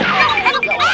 jangan lari jangan lari